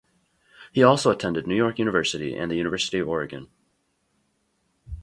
He also attended New York University and the University of Oregon.